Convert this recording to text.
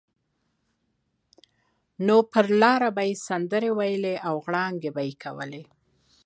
نو پر لاره به یې سندرې ویلې او غړانګې به یې کولې.